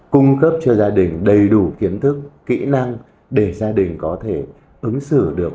cung cấp cho gia đình đầy đủ kiến thức kỹ năng để gia đình có thể ứng xử được